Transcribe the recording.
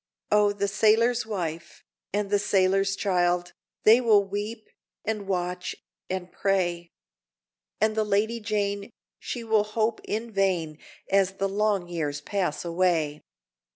O, the sailor's wife, and the sailor's child, They will weep, and watch, and pray; And the Lady Jane, she will hope in vain, As the long years pass away!